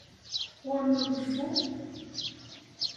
Ɣur-m aḍeffu?